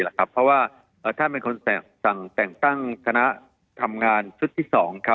เพราะว่าท่านเป็นคนสั่งแต่งตั้งคณะทำงานชุดที่๒